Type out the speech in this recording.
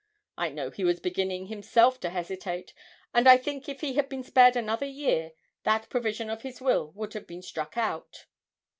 I know he was beginning himself to hesitate; and I think if he had been spared another year that provision of his will would have been struck out.'